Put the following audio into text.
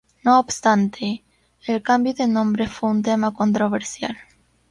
No obstante, el cambio de nombre fue un tema controversial.